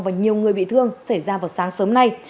và nhiều người bị thương xảy ra vào sáng sớm nay